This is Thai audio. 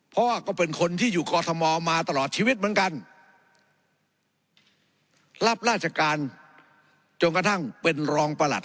เพราะว่าก็เป็นคนที่อยู่กอทมมาตลอดชีวิตเหมือนกันรับราชการจนกระทั่งเป็นรองประหลัด